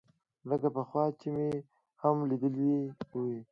لکه پخوا چې مې هم ليدلى وي.